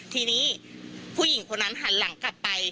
ทีนี้ผู้หญิงคนนั้นหันหลังกลับไป